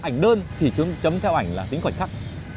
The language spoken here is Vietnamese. ảnh đơn thì chúng chấm theo ảnh là tính khoảnh khắc